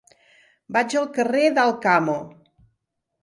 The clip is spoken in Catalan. Vaig al carrer d'Alcamo.